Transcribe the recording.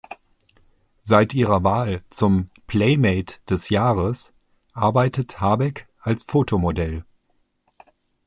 Seit ihrer Wahl zum "Playmate des Jahres" arbeitet Habeck als Fotomodell.